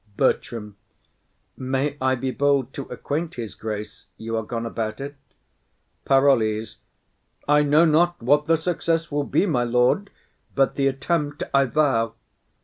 BERTRAM. May I be bold to acquaint his grace you are gone about it? PAROLLES. I know not what the success will be, my lord, but the attempt I vow.